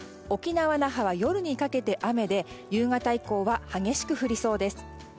沖縄・那覇は夜にかけて雨で夕方以降は激しく降りそうです。